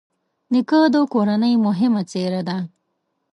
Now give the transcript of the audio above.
نیکه د کورنۍ مهمه څېره ده.